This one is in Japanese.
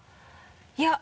いや。